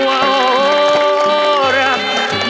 วะโอ้โอ้รัก